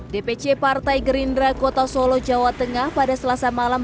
dpc partai gerindra kota solo jawa tengah pada selasa malam